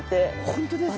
ホントですね。